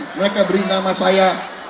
mereka beri nama saya